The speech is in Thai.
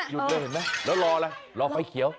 เลยเห็นไหมแล้วรออะไรรอไฟเขียว